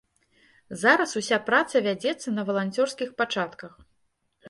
Зараз уся праца вядзецца на валанцёрскіх пачатках.